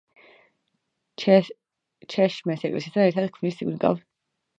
ჩეშმეს ეკლესიასთან ერთად ქმნის უნიკალურ არქიტექტურულ ანსამბლს.